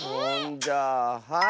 じゃあはい！